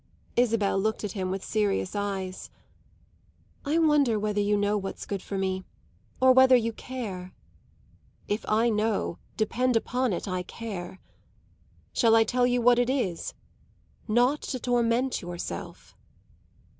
Isabel looked at him with serious eyes. "I wonder whether you know what's good for me or whether you care." "If I know depend upon it I care. Shall I tell you what it is? Not to torment yourself."